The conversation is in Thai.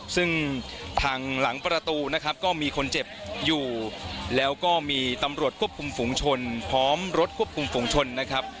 ซึ่งทางหลังประตูนะครับก็มีคนเจ็บอยู่แล้วก็มีตำรวจควบคุมฝุงชนพร้อมรถควบคุมฝุงชนนะครับ